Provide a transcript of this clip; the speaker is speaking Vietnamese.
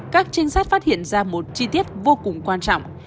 các trinh sát phát hiện ra một chi tiết vô cùng quan trọng